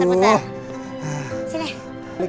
ya aku menang